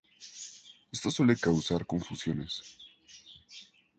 Esto suele causar confusiones.